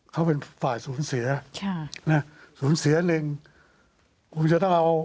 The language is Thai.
เขาเป็นฝ่ายศูนย์เสียศูนย์เสียหนึ่งคงจะต้องเอา